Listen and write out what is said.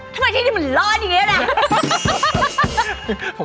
โฟแฟชนอลเหรอ